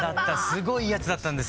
すごいいいやつだったんです。